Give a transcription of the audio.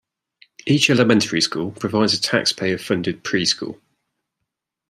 Each elementary school provides a taxpayer funded preschool.